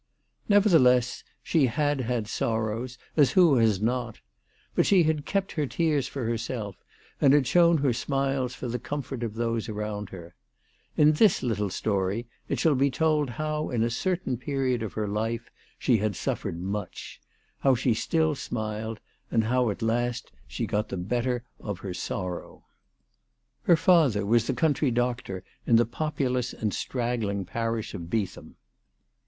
Nevertheless she had had sorrows, as who has not ? But she had kept her tears for herself, and had shown her smiles for the comfort, of those around her. In this little story it shall be told how in a certain period of her life she had suffered much ; how she still smiled, and how at last she got the better of her sorrow. Her father was the country doctor in the populous and straggling parish of Beetham.